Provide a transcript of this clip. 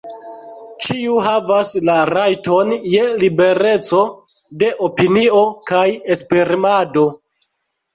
Ĉiu havas la rajton je libereco de opinio kaj esprimado.